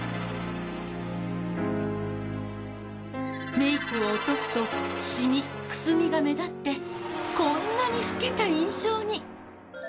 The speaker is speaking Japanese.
メイクを落とすとシミ・くすみが目立ってこんなに老けた印象に。